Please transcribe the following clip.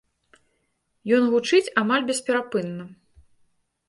Ён гучыць амаль бесперапынна.